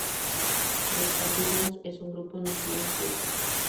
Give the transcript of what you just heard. The Cardigans es un grupo nacido en Suecia.